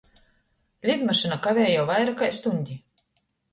Lidmašyna kavej jau vaira kai stuņdi.